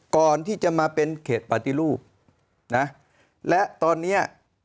ก่อนที่จะมาเป็นเขตปฏิรูปนะและตอนเนี้ย